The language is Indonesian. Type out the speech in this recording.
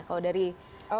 kalau dari sisi peradilan anak